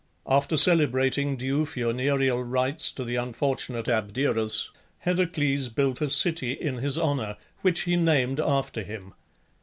After celebrating due funereal rites to the unfortunate Abderus, Heracles built a city in his honour, which he named after him.